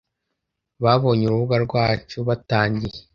babonye urubuga rwacu Batangiye